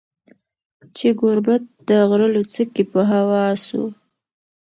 چي ګوربت د غره له څوکي په هوا سو